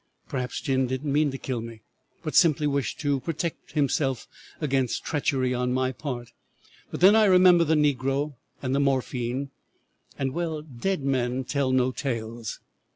Perhaps Jim did not mean to kill me, but simply wished to protect himself against treachery on my part; but then I remembered the negro and the morphine, and well, dead men tell no tales.